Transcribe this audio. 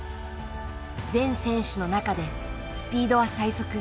全選手の中でスピードは最速。